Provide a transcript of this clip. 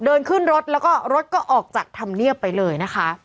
เดินขึ้นรถแล้วก็รถก็ออกจากธรรมเนียบไปเลยนะคะ